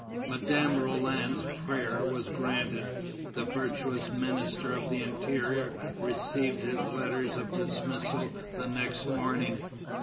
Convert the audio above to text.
Madame Roland's prayer was granted. The virtuous Minister of the Interior received his letters of dismissal the next morning.